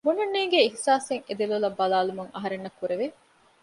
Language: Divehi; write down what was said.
ބުނަން ނޭނގޭ އިހުސާސެއް އެ ދެލޮލަށް ބަލާލުމުން އަހަރެންނަށް ކުރެވެ